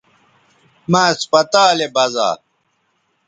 مہ اسپتالے بزا